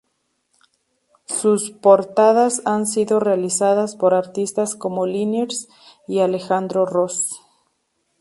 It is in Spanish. Sus portadas han sido realizadas por artistas como Liniers y Alejandro Ros.